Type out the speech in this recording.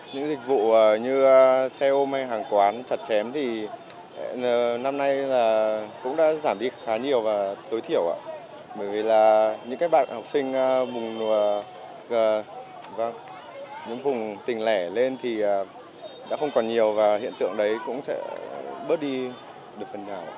những bạn học sinh và những vùng tình lẻ lên thì đã không còn nhiều và hiện tượng đấy cũng sẽ bớt đi được phần nào